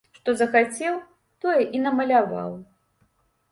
Што захацеў, тое і намаляваў!